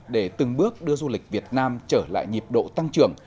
để từng bước đưa du lịch việt nam trở lại nhịp độ tăng trưởng